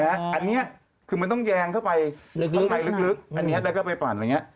อันนี้คือมันต้องแยงเข้าไปข้างในลึกอันนี้แล้วก็ไปปั่นอะไรอย่างนี้